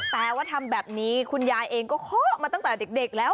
แต่ว่าทำแบบนี้คุณยายเองก็เคาะมาตั้งแต่เด็กแล้ว